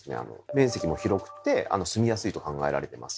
面積も広くて住みやすいと考えられてます。